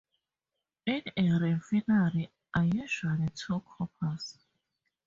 In a refinery are usually two coppers.